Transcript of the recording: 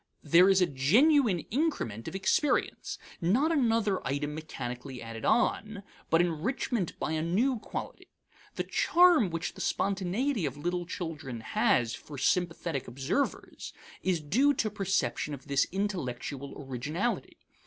There is a genuine increment of experience; not another item mechanically added on, but enrichment by a new quality. The charm which the spontaneity of little children has for sympathetic observers is due to perception of this intellectual originality.